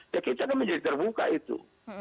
ya kita kan menjadi terbuka itu